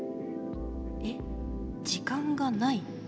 えっ時間がない？